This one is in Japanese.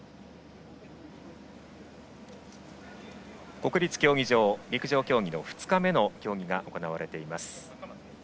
国立競技場陸上競技の２日目の競技が行われています。